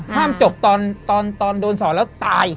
ห้ามจบตอนโดนสอนแล้วตาย